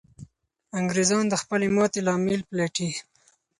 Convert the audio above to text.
انګریزان د خپلې ماتې لامل پلټي.